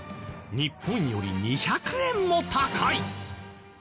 日本より２００円も高い！